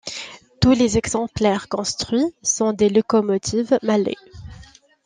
Tous les exemplaires construits sont des locomotives Mallet.